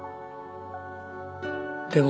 「でも」